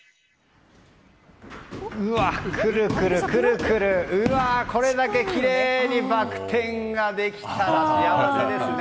くるくるくるこれだけきれいにバク転ができたら幸せですね。